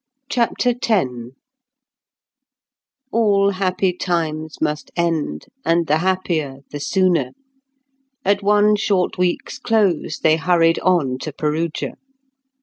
CHAPTER X All happy times must end, and the happier the sooner. At one short week's close they hurried on to Perugia.